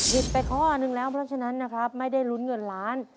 ไปข้อนึงแล้วเพราะฉะนั้นนะครับไม่ได้ลุ้นเงินล้าน